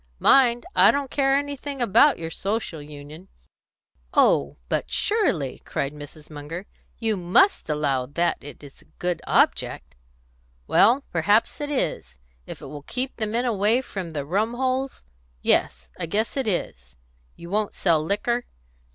Mind, I don't care anything about your Social Union." "Oh, but surely!" cried Mrs. Munger, "you must allow that it's a good object." "Well, perhaps it is, if it will keep the men away from the rum holes. Yes, I guess it is. You won't sell liquor?"